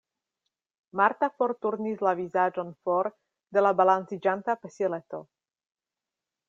Marta forturnis la vizaĝon for de la balanciĝanta pesileto.